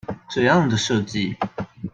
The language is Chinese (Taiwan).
這樣的設計